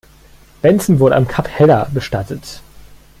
Bentsen wurde am Kap Heller bestattet.